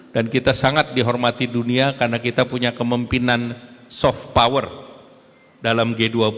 dan kita sangat dihormati dunia karena kita punya kemimpinan soft power dalam g dua puluh